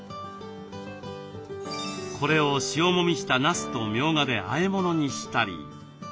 これを塩もみしたなすとみょうがであえ物にしたり。